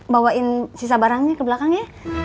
bawain sisa barangnya ke belakang ya